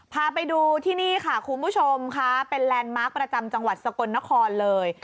พาไปดูที่นี่ค่ะคุณผู้ชมค่ะเป็นแลนด์มาร์คประจำจังหวัดสกลนครเลย